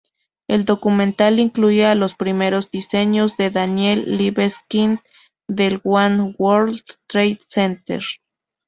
El documental incluía los primeros diseños de Daniel Libeskind del One World Trade Center.